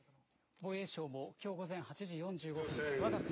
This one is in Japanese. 防衛省もきょう午前８時４５分、わが国。